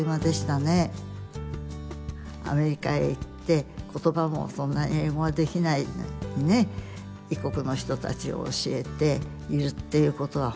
アメリカへ行って言葉もそんなに英語もできないのにね異国の人たちを教えているっていうことは本当に。